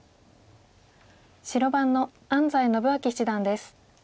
白番の安斎伸彰七段です。